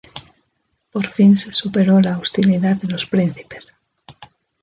Por fin se superó la hostilidad de los príncipes.